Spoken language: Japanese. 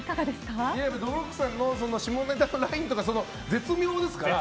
どぶろっくさんの下ネタのラインとかは絶妙ですから。